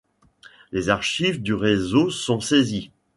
Les archives du réseau sont saisies.